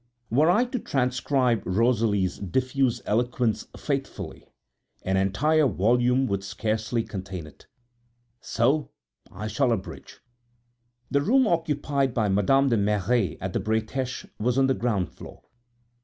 Were I to transcribe Rosalie's diffuse eloquence faithfully, an entire volume would scarcely contain it; so I shall abridge. The room occupied by Madame de Merret at the Bretêche was on the ground floor.